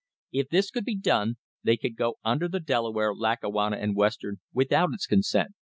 If this could be done they could go under the Delaware, Lackawanna and Western without its consent.